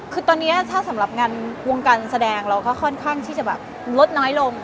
คือตอนนี้ถ้าสำหรับงานวงการแสดงเราก็ค่อนข้างที่จะแบบลดน้อยลง